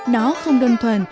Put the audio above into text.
nó không đơn thuần